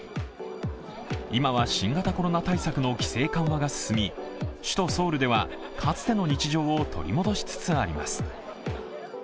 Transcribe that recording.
今は新型コロナ対策の規制緩和が進み、首都ソウルではかつての日常を取り戻しつつあります。